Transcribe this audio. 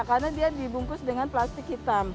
karena dia dibungkus dengan plastik hitam